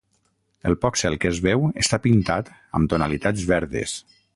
El poc cel que es veu està pintat amb tonalitats verdes.